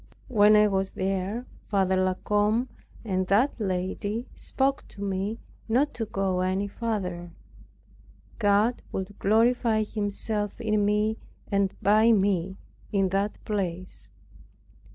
When I was there Father La Combe and that lady spoke to me not to go any farther. God would glorify Himself in me and by me in that place.